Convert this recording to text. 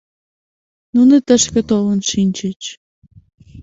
Нуно тышке толын шинчыч.